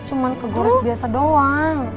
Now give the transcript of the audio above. cuma kegores biasa doang